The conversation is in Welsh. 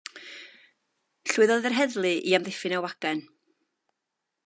Llwyddodd yr heddlu i amddiffyn y wagen.